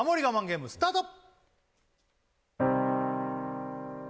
ゲームスタート